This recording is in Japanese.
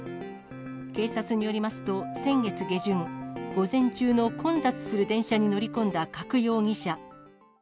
警察によりますと、先月下旬、午前中の混雑する電車に乗り込んだ加久容疑者。